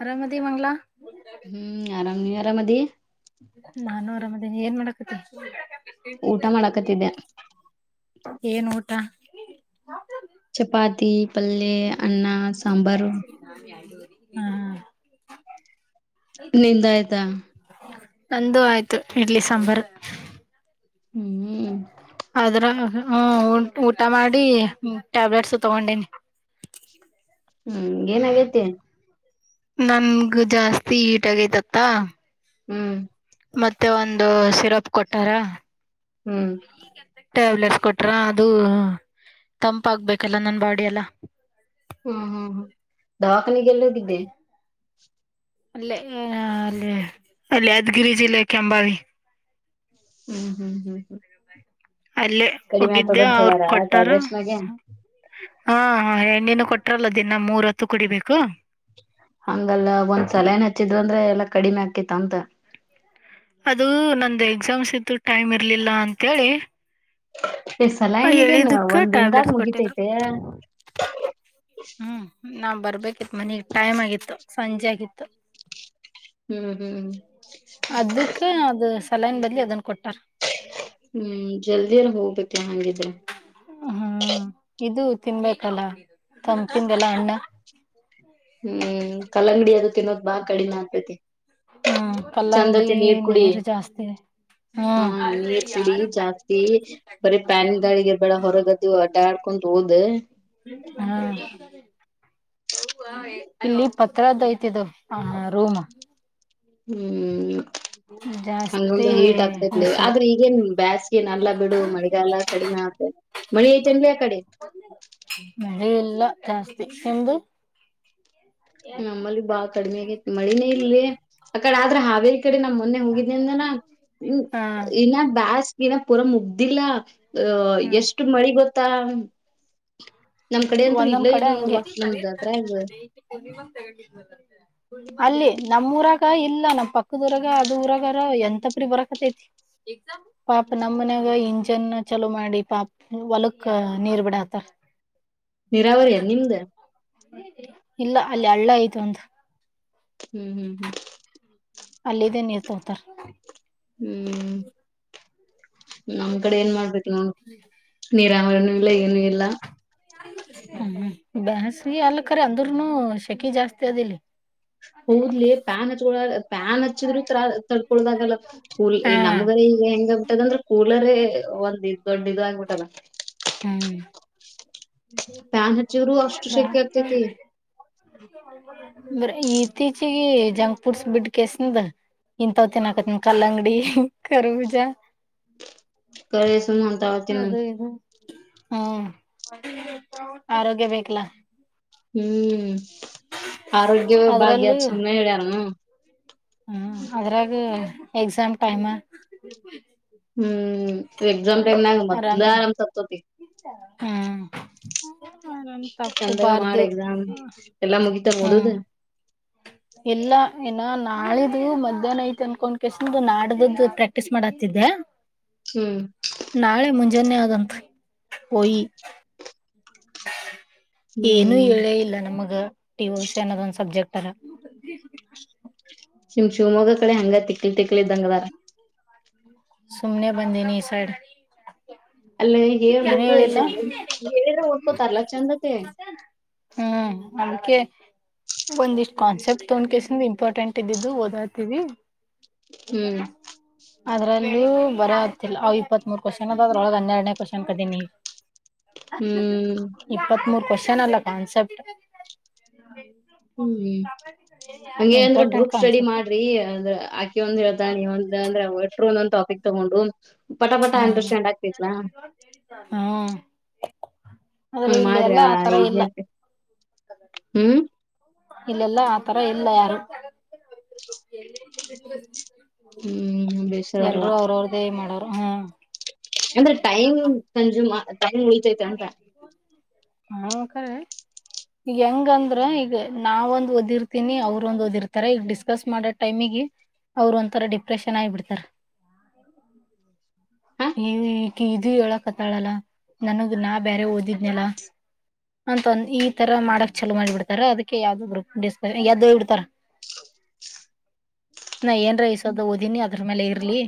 [inaudible] ಅರಾಮದಿ ಮಂಗಲಾ ಹ್ಮ್ ಆರಾಮ ನೀ ಆರಾಮದ ನಾನ ಆರಾಮದೇ ಏನ್ ಮಾಡಾಕತ್ತ ಊಟ ಮಾಡಾಕತ್ತಿದ್ದೆ ಏನ್ ಊಟ ಚಪಾತಿ ಪಲ್ಲಿ ಅನ್ನ ಸಾಂಬಾರು ಹ್ಮ್ ಹ್ಮ್ ನಿಂದ ಆಯ್ತಾ ನಂದು ಆಯ್ತು ಇಡ್ಲಿ ಸಾಂಬಾರ ಹ್ಮ್ ಅದ್ರ ಹ್ಮ ಊಟ ಮಾಡಿ ಟ್ಯಾಬ್ಲೆಟ್ಸ್ ತಗೊಂಡನಿ ಹ್ಮ್ ಏನಾಗೇತಿ ನನ್ಗ ಜಾಸ್ತಿ ಈಟಾಗೈತತ್ತ ಹ್ಮ್ ಮತ್ತೆ ಒಂದು ಸಿರಪ್ ಕೊಟ್ಟಾರ ಹ್ಮ್ ಕೆಂತ [unintelligible] ಟ್ಯಾಬ್ಲೆಟ್ಸ್ ಕೊಟ್ರ ಅದು ತಂಪ ಆಗಬೇಕಲ್ಲ ನನ್ ಬಾಡಿ ಎಲ್ಲ ಹ್ಮ್ ಹ್ಮ್ ಹ್ಮ್ ದಾ ನನಗೆಲ್ಲದಿದ್ದೆ ಅಲ್ಲ ಅಲ್ಲಿ ಅಲ್ಲಿ ಯಾದಗಿರಿ ಜಿಲ್ಲೆಕ್ಕೆ ಕೆಂಬಾವಿ ಹ್ಮ್ ಹ್ಮ್ ಹ್ಮ್ ಹ್ಮ್ ಅಲ್ಲೇ ಕಡಿಮೆ ಹೋಗಿದ್ದೆ ಆಗ್ತದಂತ ಅವ್ರ ಹೇಳ್ಯಾರ್ ಕೊಟ್ಟಾರ ಟ್ಯಾಬ್ಲೇಟ್ಸ್ ಮ್ಯಾಗೆ ಹಾ [unintelligible] ಹಾಂ ಎಣ್ಣಿನು ಕೊಟ್ರಲ್ಲ ದಿ ನ ಮೂರ್ ಹೊತ್ತು ಕುಡಿಬೇಕು ಹಂಗಲ್ಲ ಒಂದ್ ಸಲನೆ ಹಚ್ಚಿದ್ರು ಅಂದ್ರೆ ಎಲ್ಲಾ ಕಡಿಮೆ ಆಗ್ತಿತ್ತ ಅಂತ? ಅದೂ ನಂದ್ ಎಕ್ಸಾಮ್ಸ್ ಇತ್ತು ಟೈಮ್ ಇರ್ಲಿಲ್ಲ ಅಂತೇಳಿ ಈಸಲ ನಿನಿಗೇನು ಹೇಳಿದಕ್ಕೆ ಒಂದ್ ದಿನ್ದಾಗ್ ಟ್ಯಾಬ್ಲೆಟ್ಸ್ ಕೊಟ್ಟಿದ್ರು ಮುಗಿತೈತೆ. ಬೇಕಿತ್ ಮನಿಗ್ ಟೈಮ್ ಆಗಿತ್ತು ಸಂಜೆ ಆ ಗಿತ್ತು. ಹ್ಮ್ ಹ್ಮ್ ಅದುಕ್ಕೆ ಅದು ತಲೆನ್ ಬದ್ಲು ಅದುನ್ ಕೊಟ್ಟಾರ್ ಹ್ಮ್ ಜಲ್ದಿ ಅಲ್ ಹೋಬೇಕ್ ತೆ ಹಂಗಿದ್ ಹ್ಮ್ ಇದು ತಿನ್ಬೇಕಲ್ಲ ತಂದ್ ತಿಂದಿಲ್ಲ ಹಣ್ಣ ಹ್ಮ್ ಕಲ್ಲಂಗಡಿ ಅದು ತಿನ್ನೋದ್ ಬಾ ಕಡಿಮೆ ಆಗ್ತೈತಿ. ಹ್ಮ್ ಚಂದ ಕಲ್ಲಂಗಡಿ ತಿಂದ್ ನೀರ್ ಕುಡಿ ನೀರು ಜಾಸ್ತಿ ಹ್ಮ್ ಹಾಂ ನೀರ್ ಕುಡಿ ಜಾಸ್ತಿ, ಬರೆ ಪ್ಯಾನ್ ಗಾಳಿಗೆ ಇರ್ಬೇಡ ಹೊರಗದು ಅಡ್ಡಾಡ್ ಕುಂತು ಓದ ಹ್ಮ್ ಇಲ್ಲಿ ಪತ್ರದೈತ್ ಇದು ಹಾಂ ರೂಮು ಹ್ಮ್ ಜಾಸ್ತಿ ಹಂಗಂದ್ರ ಹೀಟ್ ಆಗ್ತೈತ್ಲೆ. ಬಿಸಿಲು ಆದ್ರೆ ಈಗೇನ್ ಬ್ಯಾಸ್ಗೆ ಏನ್ ಅಲ್ಲಾ ಬಿಡು ಮಳಿಗಾಲ ಕಡಿಮೆ ಆತೈತ್. ಮಳಿ ಐತೇನ್ರಿ ಆಕಡೆ? ಏ ಇಲ್ಲ ಜಾಸ್ತಿ ನಿಮ್ದು? ನಮ್ಮಲ್ಲಿ ಬಾಳ್ ಕಡಿಮಿ ಆಗೈತಿ ಮಳಿನೇ ಇಲ್ಲಿ ಆಕಡೆ ಆದ್ರ ಹಾಗ್ ತಿಳಿ ನಮ್ ಮೊನ್ನೆ ಹೋಗಿದ್ನಿ ಅಂದ್ನಲ್ಲ ಹ್ಮ್ ಹಾ ಇನ್ನ ಬ್ಯಾಸ್ ಇನ್ನ ಪುಲ್ ಮುಗ್ದಿಲ್ಲ ಅ ಹ್ಮ್ ಎಷ್ಟು ಮಳಿ ಬತ್ ತ್ತಾ ಒಂದೊಂದ್ ಕಡೆ ಹಂಗೆ. ನಮ್ದ ಅದ್ರಾಗ ಅಲ್ಲಿ ನಮ್ ಊರಾಗ ಇಲ್ಲ ನಮ್ ಪಕ್ಕದ್ ಊರಾಗೆ ಅದು ಊರಾಗರ ಎಂತಪ್ರಿ ಬರಕತೈತಿ ಪಾಪ ನಮ್ಮ್ ಮನ್ಯಾಗ ಇಂಜನ್ ಚಲೋ ಮಾಡಿ ಪಾಪ್ ಹೊಲುಕ್ಕ ನೀರ್ ಬಿಡಾತಾರ ನಿರಾವರಿ ಏನ್ ನಿಮ್ದ? ಇಲ್ಲ ಅಲ್ಲಿ ಹಳ್ಳ ಐತ್ ಒಂದು. ಹ್ಮ್ ಹ್ಮ್ ಹ್ಮ್ ಅಲ್ಲಿದೇ ನೀರ್ ತರ್ತಾರ್. ಹ್ಮ್ ನಮ್ ಕಡೆ ಏನ್ ಮಾಡ್ಬೇಕು ನೋಡ್ ನೀರಾವರಿನೂ ಇಲ್ಲ ಏನು ಇಲ್ಲ. ಹ್ಮ್ ಬ್ಯಾಸ್ಗಿ ಅಲ್ ಕರೆ ಅಂದುರ್ನು ಶೆಕೆ ಜಾಸ್ತಿ ಅದಿಲ್ಲಿ. ಹೌದ್ ಲೆ ಪ್ಯಾನ್ ಹಚ್ಗೊಳೋ [unintelligible] ಪ್ಯಾನ್ ಹಚ್ಚಿದ್ರು ತರಾ ತಡ್ಕೊಳುಕ್ಕಾಗಲ್ಲ [unintelligible] ಏ ಹಾ ನಮ್ಗು ನಿಮ್ಗೂ ಹೆಂಗೊ ಯದಂದ್ರೆ ಕೂಲರೇ ಒಂದ್ ದೊಡ್ಡ ಇ ಆಗ್ಬಿಟ್ಟಲ್ಲ ಹ್ಮ್ ಹ ಬನ್ ಹಚ್ಚುರು ಅಷ್ಟ ಶಿಕ್ಷಾರ್ತತಿ ಬ್ರ ಇತ್ತೀಚಗ ಜಂಕ್ ಫುಡ್ಸ್ ಬಿಡ್ ಕಸನದ ಇಥವತನ್ ಆಕತ್ತನ್ ಕಲ್ಲಂಗಡಿ ಕರ್ಬೀಜ ಕಸು ನಮಂತಾವತಿನ್ನು ಹ್ಮ್ ಆರೋಗ್ಯ ಬೇಕಲ್ಲಾ ಹ್ಮ್ ಆರೋಗ್ಯ ಭಾಗ್ಯ ಸನ್ನ ಹೇಳ್ಯನು ಹ್ಮ ಅದ್ರಾಗ ಎಕ್ಸಾಮ್ ಟೈಮ್ ಹ್ಮ್ ಎಕ್ಸಾಮ ೈಮ ನಾಗ ಮದಲು ಆರಾಮ್ ಆರಾಮ ಸತತಿ ಹ್ಮ್ ಆರಾಮ್ ಸಂದಕ ಮಾಡಡು ತಪ್ಪಬಾರ್ದು ಎಕ್ಸಾಮ ಎಲ್ಲಾ ಮುಗಿತ ಹದದು ಎಲ್ಲ ಏನ ನಾಳಿದ್ದು ಮಧ್ಯಾಹ್ನ ಐತ್ ಅನ್ಕೊಂಡ್ ಕಸ್ದ ನಾಡ್ದ್ದ ಪ್ರಾಕ್ಟೀಸ್ ಮಾಡತಿದ್ದೆ ಹ್ಮ್ ನಾಳೆ ಮುೆ ಜನ್ಯ ಆದದಂ ಹಯಿ ಏನುೂ ಹ್ಮ್ ಹೇಳೇ ಇಲ್ಲ ನಮಗ ಟಿಒ ಸಿ ಅನ್ನೋದ ಒಂದ್ ಸಬ್ಜೆಕ್ಟ್ ತರ ಶಿಮ್ ಶಿವಮೊಗ್ಗ ಕಡೆ ಹಂಗ ತಿಕ್ಲಿ ತಿಕ್ಳ ಇದ್ದಂಗದಾರ ಸುಮನೆ ಬಂದ ನೀ ಈ ಸೈಡ್ ಅಲ್ಲೇ ಏನು ಹೇಳ್ಬೇಕು ಹೇಳಿಲ್ಲ ಎಕ್ಸಾಮ್ ಹೇಳಿದ್ರೆ ಒದಕೋತಾರಲ್ಲ ಚೆಂದತೆ ಹ್ಮ್ ಅಮಕ ಒಂದಿಷ್ಟ್ ಕಾನ್ಸೆಪ್ಟ್ ತೊೊಂಡ ಕಸನ್ ಇಂಪಾರ್ಟೆಂಟ್ ಇದ್ದಿದ್ದು ಓದಾತವಿ ಹ್ಮ್ ಅದ್ರಲ್ಲಿೂ ಬರ ಆತ್ತಲ್ಲ ಅ ಅವವು ಇಪ್ಪತ್ ಮೂರ್ ಕ್ವಶ್ನ್ ಅದ ಅದ್ರೊಳಗ್ ಹನ್ನೆರಡನೇ ಕಷಂ ಕದ ನೀ ಹ್ಮ್ ಇಪ್ಪತ್ತ್ಮೂರು ಕೊ ೆ ನಲ್ಲ ಕಾನ್ಸೆಪ್ಟ್ ಹ್ಮ್ ಹಂಗಗೆ ಅಂದ್ರ ಇಂಪಾರ್ಟೆಂಟ್ ಗ್ರೂಪ್ ಸ್ಟಡಿ ಕಾನ್ಸೆಪ್ಟ್ ಮಾಡ್ರಿ ಅಂದ್ರ ಆಕೆ ಒಂದ್ ಹೇಳ್ತಾನ ನೀ ಒಂದ ಅಂದ್ರ ಎಟ್ಟರು ಒಂದೊಂದ್ ಟಾಪಿಕ್ ತಗೊಂಡು ಪಟ ಪಟ ಹ್ಮ್ ಆಗ್ತೇತ್ಲಾ ಹ್ಮ ಹ್ಮ ಮಾಡ್ರಿ ಇದ ಇಲ್ಲ ಹ್ಮ್ ಇಲ್ಲೆಲ್ಲ ಆತರ ಇಲ್ಲ ಯಾರು ಹ್ಮ್ ಬೇಷರವ್ವಾ ಎಲ್ರುೂ ಅವ್ರ ಅವ್ರ್ದೇ ಮಾಡ ಹ್ಮ್ ಅಂದ್ರೆ ಟೈಮ್ ಕಂಜ್ಯೂಮ್ ಟೈಮ್ ಉಯತೈತೆ ಅಂತ ಹ್ಮ್ ಹೆಂಗಂದ್ರ ಈಗ ನಾವೊಂದ್ ಓದಿರ್ತೀನಿ ಅವ್ರೊಂದ್ ಓದಿರ್ತಾರ ಈಗ ಡಿಸ್ಕಸ್ ಮಾಡೋ ಟೈಮಗ ಅವ್ರ ಒಂಂತರ ಡಿಪ್ರೆಷನ್ ಆಗಿ ಬಿಡ್ತಾರ ಹಾ ಈ ಈ ಇದು ಹೇಳಕ್ತ್ತಾಳಲ್ಲ ನನಗ್ ನಾ ಬೇರೆ ಓದಿದ್ನಲ್ಲ ಅಂತ ಒಂದ ಈ ತರ ಮಾಡಕ್ ಚಲೋ ಮಾಡಿ ಬಿಡ್ತಾರ ಅದಕ್ಕೆ ಯಾವ್ದ ಗ್ರೂಪ್ ಡಿಸ್ಕ ಯ್ದ ಬಿಡ್ತಾರ ನಾ ಏನ್ರ ಇಸದು ಓದಿನಿ ಅದ್ರ ಮೇಲೆ ಇರ್ಲಿ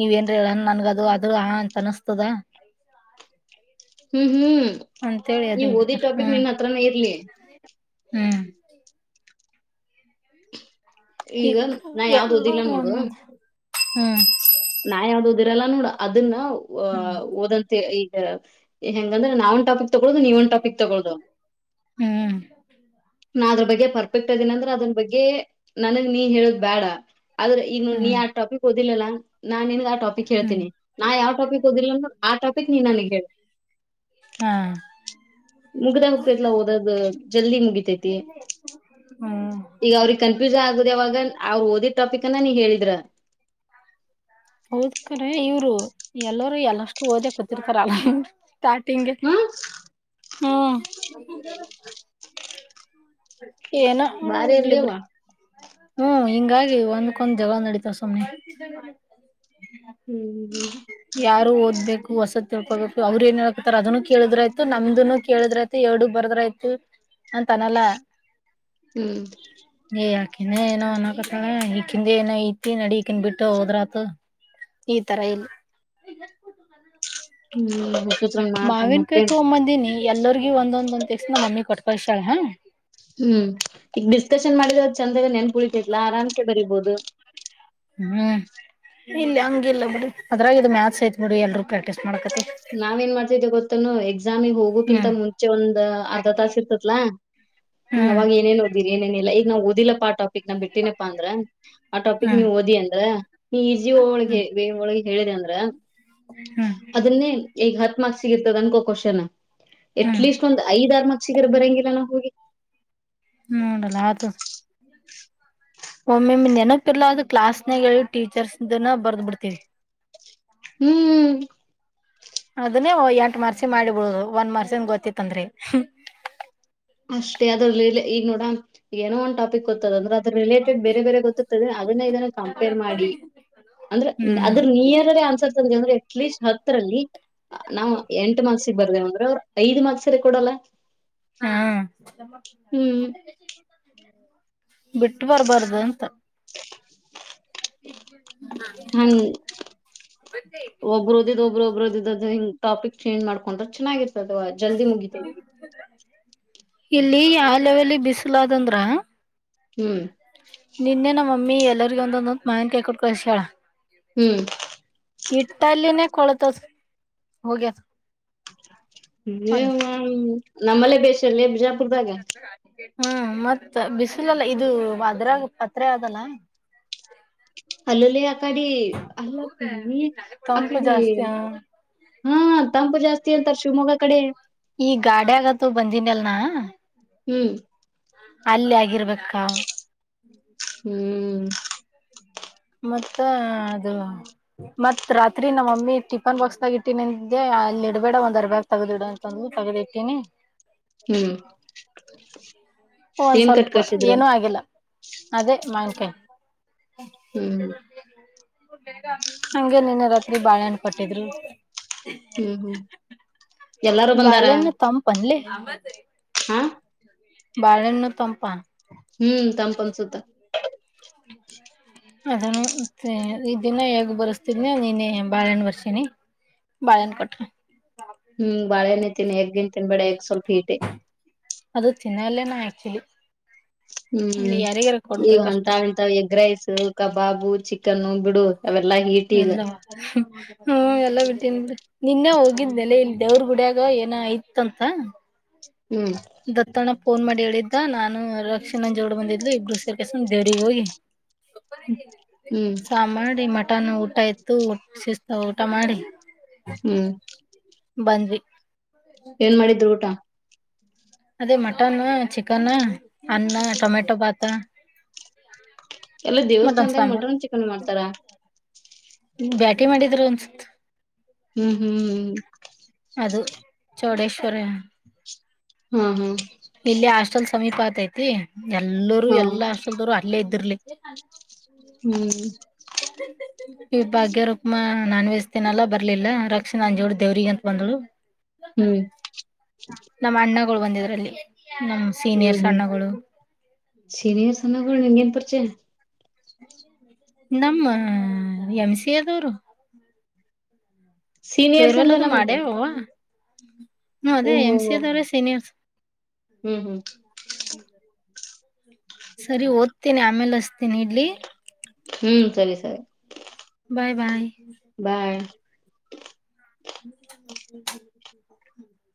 ನೀವ ಏನ್ರ ನನ್ಗ ಅದು ಇದು ಆ ಅಂತ ಅನಸ್ತದ ಹ್ಮ್ ಹ್ಮ್ ಅಂತೇಳಿ ಎದ್ದ್ ನೀವ ಓದಿ ಹೋಗ್ಬಿಡ್ತಾರ ಟಾಪಿಕ್ ಹ್ಮ್ ನಿನ್ ಹತ್ರಾನ ಇರ್ಲಿ ಹ್ಮ್ ಈ ಈಗ ನಾ ಯಾವ್ದ್ ಓದಿಲ್ಲ ಎಲ್ಲಾರು ನೋಡು ಒಂದೊಂದ್ ಹ್ಮ್ ನಾ ಯಾವ್ದ್ ಓದಿರಲ್ಲ ನೋಡ ಅದನ್ನ ಆ ಹ್ಮ್ ಓದಂತೆ ಈ ಹೆಂಗಂದ್ರೆ ನಾವ ಒನ್ ಟಾಪಕ್ ತಗೊದು ನೀವ ಒಂದು ಟಾಪಿಕ್ ತೊಗೊಳ್ಳದು ಹ್ಮ್ ನಾ ಅದ್ರ ಬಗ್ಗೆ ಪರ್ಫೆಕ್ಟ್ ಅದೀನ ಅಂದ್ರೆ ಅದ್ರ ಬಗ್ಗೆ ನನಗ್ ನೀ ಹೇಳೋದ ಬೇಡ ಆದ್ರೆ ಇನ್ನು ನೀ ಹ್ಮ್ ಆ ಟಾಪಿಕ್ ಇಲ್ಲಾ ನಾನ್ ನಿನ್ ಆ ಟಾಪಿಕ್ ಹ್ಮ್ ಹೇಳ್ತೀನಿ ನಾ ಯಾವ್ ಟಾಪಿಕ್ ಓದಿಲ್ಲ ಆ ಟಾಪಿಕ್ ನೀನ್ ನನಗ್ ಹೇಳ ಹಾ ಮುಗ್ದ ಹೋಗ್ತತ್ಲಾ ಓದ ಜಲ್ದಿ ಮು ಹ್ಮ್ ಈಗ ಅವ್ರಿಗೆ ಕನ್ಫ್ಯೂಸನ್ ಆಗುದ ಯಾವಾಗ ಅವರು ಓದಿ ಟಾಪಿಕ್ ಅನ್ನ ನೀ ಹೇಳಿದ್ರ ಎಲ್ಲರುೂ ಎಲ್ಲಷ್ಟು ಓದೆ ಕೂತ್ತತಿರ್ತಾರ ಅಲ್ಲ ಸ್ಟಾರ್ಟಿಂಗ್ಗೆ ಹಾ ಹ್ಮ ಹ್ಮ ಏನ ಬಾರಿ ಇರಲಿ ಬಿಡು ಅಲ್ಲೇವಾ. ಹ್ಮ್ ಹಿಂಗಾಗಿ ಒಂದ್ಕ್ಕೊಂದ್ ಜಗಳ ನಡೀತಾವ ಸುಮ್ಮ್ನೆ ಹ್ಮ್ ಭಾರಿ ಅಲ್ರಿ ಯಾರು ಓದ್ಬೇಕು ಹೊಸದ ತಿಳ್ಕೋಬೇಕು ಅವ್ರ ಏನ್ ಹ ಹೇಳಕತಾರ ಅದನ್ನು ಕೇಳಿದ್ರ ಆಯ್ತು ನಮ್ದನು ಕೇಳಿದ್ರ ಆಯ್ತು ಎರಡುಗ್ ಬರ್ದ್ರ ಆಯ್ತ ಅಂತ ಅನಲ್ಲ ಹ್ಮ್ ಈಕ ಏನೋ ಅನ್ಕತ ಈಕಿಂದ ಏನ ಐತಿ ನಡಿ ಈಕಿಂದ್ ಬಿಟ್ಟು ಹೋದ್ರತ ಈ ತರ ಇಲ್ಲಿ ಹುಚ್ಚುರಂಗ್ ಮಾಡ್ತ ಮತ್ತೆ ಎನ್ನೂರು [unintelligible] ಒಂದೊಂದ್ಸ ನಮ್ಮಿ ಕೊಟ್ಕ [unintelligible] ತರ ಹಾ ಹ್ಮ್ ಈಗ ಡಿಸ್ಕಷನ್ ಮಾಡಿದ ಚಂದಗನ್ ನೆನಪ್ ಉಳಿತೆತ್ತಲ್ಲ ಆರಾಮಕೆ ಬರಿಬೋದು. ಹ್ಮ್ ಇಲ್ಲಿ ಹಂಗ ಇಲ್ಲ ಬಿಡು ಅದ್ರಾಗ ಇದು ಮ್ಯಾಥಸ್ ಐತ್ ಬಿಡಿ ಎಲ್ರೂ ಪ್ರಾಕ್ಟೀಸ್ ಮಾಡಕತಿ ನಾವ ಏನ್ ಮಾಡ್ತಿದ್ದೆ ಗೊತ್ತ [inaudible] ಎಕ್ಸಾಮ್ ಹೋಗುಕ್ಕಿಂತ ಹ್ಮ್ ಮುಂಚೆ ಒಂದ್ ಅರ್ಧ ತಾಸ ಇರ್ತತ್ಲಾ ಹ್ಮ್ ಅವಾಗ ಏನೇನ್ ಏನೇನಿಲ್ಲ ಈಗ ನಾ ಓದಿಲ್ಲ ಪಾಟ ಆ ಟಪಿಕ್ ನಾ ಬಿಟ್ಟನಪ್ಪ ಅಂದ್ರೆ ಆಟಾಪಿಕ್ ನೀ ಹ್ಮ್ ಓದಿ ಅಂದ್ರ ನಿಜಿ ಹೊಳಗೆ ವೆ ಒಳಗೆ ಹೇಳಿದೆ ಅಂದ್ರ ಹ್ಮ್ ಹ್ಮ್ ಅದನ್ನೇ ಈಗ ಹತ್ತ ಮಾರ್ಕ್ಸ್ ತೀರ್ತರಂಗ ಕ್ವೆಶ್ಚನ್ ಹ್ಮ್ ಎಟ್ಲೀಸ್ಟ್ ಒಂದ್ ಐದಆರ ಮಾಕ್ಸಿಗರ ಬರಂಗಿಲ ಬೆನ ಹೋಗಿ ಹ್ಮ್ಟಲ್ಲಾ ಆತ ಒಮ್ಮೊಮ್ಮೆ ನೆನಪಿರ್ಲ ಅ ಕ್ಲಾಸ್ನಾಗ ಟೀಚರ್ಸ್ ದನ ಬರ್ದ ಬಿಡ್ತೀವಿ ಹ್ಮ್್ಮ ಅದನ್ನೇ ಎಂಟು ಮರ್ಸಿದ ಮಾಡಿಬಡುದು ಒಂದ್ ಮರ್ಸಿನ್ ಗೊತ್ತತ್ತಂದ್ರರಿ ಅಷ್ಟೇ ಅದರ ಲೀಲೆ ಈಗ ನೋಡ ಏನೋ ಉಂಟಪ್ಪ ಗೊತ್ತ ಇಟಕೊಂತರ ಅಂದ್ರೆ ಅದ್ರ ರಿಲೇಟೆಡ್ ಬೇರೆ ಬೇರೆ ಗೊತ್ತ ಇರತ್ತವಲ ಅದನ್ನೇ ಇದನ್ನ ಕಂಪೇರ್ ಮಾಡಿ ಅಂದ್ರೆ ಹ್ಮ್ ಅದ್ರ ನಿಯರ್ ಆನ್ಸರ್ ತಂದ ಅಂದ್ರೆ ಅಟ್ಲೀಸ್ಟ್ ಹತ್ತರಲ್ಲಿ ನಾವ ಎಂಟ ಮಾಕ್ಸಿಗೆ ಬರ್ದೇವ ಅಂದ್ರೆ ಐದು ಮಾರ್ಕ್ಸ್ ಕೊಡಲ್ಲ ಹಾ ಹ್ಮ್ ಬಿಟ್ಟ ಬರ್ಬಾರ್ದು ಅಂತ [inaudible] ಹು ಒಬ್ಬರು ಓದಿದ್ದ ಒಬರು ಒಬರುದ ಹ ಟಾಪಿಕ್ ಚೇಂಜ್ ಮಾಡ್ಕೊಂಡ್ರೆ ಚೆನ್ನಾಗಿರ್ತದ ಜಲ್ದಿ ಮುಗಿತೈತಿ ಇಲ್ಲಿ ಯಾವ ಲೆವೆಲಿ ಬಿಸಲ ಅದಂದ್ರ ಹ್ಮ್ ಮಮ್ಮಿ ಎಲ್ಲರಿಗ ಒಂದೊ ಮಾವಿನಕಾಯಿ ಕೊಟ್ಟು ಕಳಸ್ಯಾಳ ಹ್ಮ್ ಇಟ್ಟಲ್ಲಿನೇ ಕೊಳತದ ಹೋಗ್ಯದ ಹ ಒಂದ್ ನಮ್ಮಲ್ಲೇ ಬೇಸಲ್ಲೇಜ ಅರ್ಧ ಹಾಲ್ ಟಿಕೆಟ್ ಹ್ಮ್ ಮತ್ತೆ ಬಿಸಿಲೆಲ್ಲ ಇದು ಅದ್ರಾಗ ಪತ್ರೆ ಅದಲ್ಲ ಅಲ್ಲಲ್ಲಿಯ ಅಡೆ ಅಲ್ಲಾಪಿ ತಂಪು ಅಕ್ಕಡೆ ಜಾಸ್ತಿ ಹ ತಂಪು ಜಾಸ್ತಿ ಅಂತಾರೆ ಶಿವಮೊಗ್ಗ ಕಡೆ ಬಂದನ್ ಅಲ್ನಾ ಹ್ಮ್ ಅಲ್ಲಿ ಆಗಿರ್ಬೇಕಾ ಹ್ಮ ಮತ್ತೆ ಅದು ಮತ್ ರಾತ್ರಿ ನಮ್ಮ್ ಮಮ್ಮಿ ಟಿಫನ್ ಬಾಕ್ಸ್ದಾಗ ಇಟ್ಟೀಅಲ್ಲಿ ಇಡ್ಬೇಡ ಒಂದ್ರ್ಬ್ಯಾಗ ತಗ್ದಿಡ ಅಂತಂದ ತಗ್ದಿ ಇಟ್ಟೀಿನಿ ಹ್ಮ್ ಒಂದ್ ಏನ್ ಕಟ್ ಸ್ವಲ್ಪ ಕಳ್ಸಿದ್ರ ಏನೂ ಆಗಿಲ್ಲ ಅದೇ ಮಂಕೆ ಹ್ಮ್್ಮ ಹಗೆ ನಿನ್ನೆ ರಾತ್ರಿ ಬಾಳೆಹಣಪಟ್ಟಿದ್ರು ಹ್ಮ್ ಹ್ಮ್ ಎಲ್ಲಾರು ಬಂದಾರ ಮತ್ರಿ ಹಾ ಬಾರನ್ನು ತಂಪಾ ಹ್ಮ್ ತಂಪ ಅನ್ಸುತ್ತ ಅದನ್ನು ಮತ್ತೆ ಈ ದಿನ ಹೇಗ್ ಬರ್ಸ್ತಿದನಿ ನೀನೇ ಬಾಳೆಣ್ಣ ಬರ್ಸನಿ ಬಾಳೆಹ್ಣ ಕೊಟ್ರ ಓ ಬಾಳೆಹಣ್ಣು ತಿನ್ನು ಎದ್ದು ತಿನ್ಬೇಡ ಸ್ವಲ್ಪಟೆ ಅದು ತಿನ್ನಲ್ಲೇನ ಆಕ್ಚುಲಿ ಇಲ್ಲಿ ಹ್ಮ್ ಯಾರಿಗಾರ ಈಗ ಕೊಡ್ಬೇಕಷ್ಟ ಅಂತ ಎಂತ ಎಗ್ ರೈಸ್ ಕಬಾಬು ಚಿಕನ್ನು ಬಿಡು ಅವೆಲ್ಲಾ ಹೀಟ್ ಇಿದ ಎಲ್ಲವ ಹ್ಮ್ ಎಲ್ಲ ಬಿಟ್ಟೀನ್ಿ ನಿನ್ನೆ ಹೋಗಿದ್್ಮೇಲೆ ಇಲ್ ದೇವ್ರ ಗುಡಿಯಾಗ ಏನ ಆಯತ್ಂತ ಹ್ಮ್ ದತ್ತಣ ಫೋನ್ ಮಾಡಿ ಹೇಳಿದ್ದ ನಾನು ರಕ್ಷಿಣ ಜಗಗಳು ಬಂದಿದ್ು ಇಬ್ಬರು ಸೇರ್ಕಸ ದೇವ್ರಿಗೆ ಹೋಗಿ ್ಮ ಹ್ಮ್ ಊಟಾನ ಊಟ ಇತ್ತು ಊ ಶಿಸ್ತ ಊಟ ಮಾಡಿ ಹ್ಮ್ ಬಂದ್ವಿ ಏನ್ ಮಾಡಿದ್ರು ಊಟ ಅದೇ ಮಟನ್ ಚಿಕನ್ ಅನ್ನ ಟೊಮೆಟೊ ಪಾತ ಎಲ್ಲಾ ದೇವಸ್ಥಾನದಾಗ ಮಟನ್ನು ಚಿಕನ್ ಮಾಡ್ತಾರ ಬ್ಯಾಟಿ ಮಾಡಿದ್ರು ಅನ್ಸುತ್ತೆ ಹ್ಮ್ ಹ್ಮ್ ಹ್ಮ್ ಅದು ಚೋಡೇಶ್ವರಯ ಹ್ಮ್ ಹ್ಮ್ ಇಲ್ಲಿ ಆ ಹಾಸ್ಟೆಲ್ ಸಮೀಪ ಆಗತೈತಿ ಎಲ್ಲರೂ ಹಾ ಎಲ್ಲ ಹಾಷ್ಟೋಲ್ದಾರು ಅಲ್ಲೇ ಇದ್ದಿರ್ಲಿ ಂಡ [inaudible] ಹ್ಮ್ [unintelligible] [inaudible] ಈ ಭಾಗ್ಯಾರರುಕ್ಮಾ ನಾನ್ ವೆಜ್ ತಿನ್ನಲ್ಲ ಬರ್ಲಿಲ್ಲ ರಕ್ಷಿ ನನ್ ಜೋಡಿ ದೇವ್ರಿಗೆ ಅಂತ ಬಂದ್ಳು ಹ್ಮ್ ನಮ್ಮ ಅಣ್ಣಗಳು ಬಂದಿದ್ರಲ್ಲಿ ನಮ್ ಹ್ಮ್ ಸೀನಿಯರ್ಸ್ ಹ್ಮ್ ಅಣ್ಣಗಳು ಸೀನಿಯರ್ಸ್ ಅಣ್ಣಗಳು ನಿಂಗ್ ಪರಿಚಯ ನಮ್ಮ ಎಂ ಸಿ ಯದವರು ಸೀನಿಯರ್ಸ ಅಂದಿ ಅಲಾ ಮತ್ತ್ [inaudible] [unintelligible] ಹ ಅದೇ ಎಂ ಸಿ ಯಾದವ್ರ ಸೀನಿಯರ್ ಹ್ಮ್ ಹ್ಮ್ [inaudible] [unintelligible] ಸರಿ ಓದ್ತೇನಿ ಆಮೇಲೆ ಹಚ್ತೇನಿ ಇಡ್ಲಿ ಹ್ಮ್ ಸರಿ ಸರಿ ಬಾಯ್ ಬಾಯ್ ಬಾಯ್ [unintelligible]